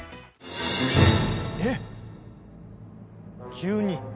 急に！